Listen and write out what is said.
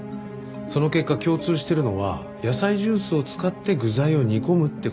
その結果共通してるのは野菜ジュースを使って具材を煮込むって事。